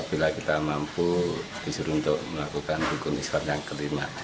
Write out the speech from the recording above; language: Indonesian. bila kita mampu disuruh untuk melakukan rukun islam yang kelima